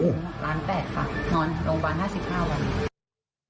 ร้านแตกค่ะนอนโรงพยาบาล๕๕วัน